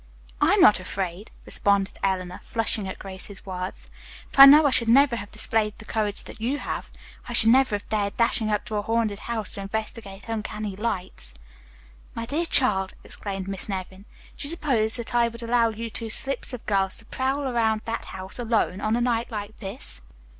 "I am not afraid," responded Eleanor, flushing at Grace's words, "but I know I should never have displayed the courage that you have. I should never have dared dashing up to a haunted house to investigate uncanny lights." "My dear child," exclaimed Miss Nevin, "do you suppose that I would allow you two slips of girls to prowl around that old house alone, on a night like this?"